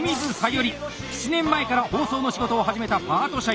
７年前から包装の仕事を始めたパート社員。